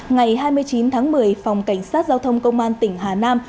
ngày hai mươi chín tháng một mươi phòng cảnh sát giao thông công an tỉnh hà nam